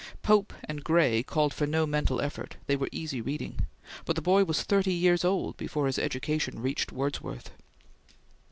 Pope and Gray called for no mental effort; they were easy reading; but the boy was thirty years old before his education reached Wordsworth.